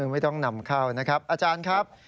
ไม่ต้องนำเข้านะครับอาจารย์ครับ